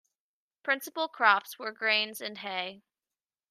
Principal crops were grains and hay.